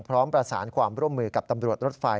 พร้อมประสานความร่วมมือกับตำรวจรถไฟ